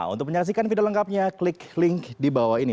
untuk menyaksikan video lengkapnya klik link di bawah ini